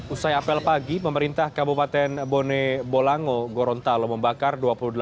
usai apel pagi pemerintah kabupaten bone bolango gorontalo membakar